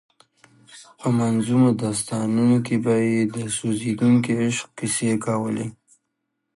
په منظومو داستانونو کې به یې د سوځېدونکي عشق کیسې کولې.